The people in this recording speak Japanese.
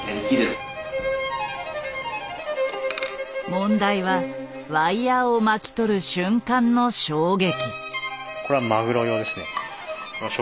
問題はワイヤーを巻き取る瞬間の衝撃。